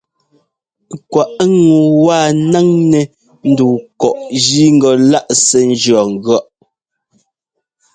Kwaꞌ ŋu wa ńnáŋnɛ́ ndu kɔꞌ jí ŋgɔ láꞌ sɛ́ ńjʉɔ́ŋgʉ̈ɔ́ꞌ.